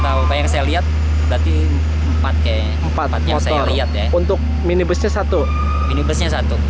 tahu yang saya lihat berarti pakai empatnya saya lihat untuk minibusnya satu ini besok